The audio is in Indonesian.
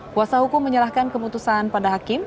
kuasa hukum menyerahkan keputusan pada hakim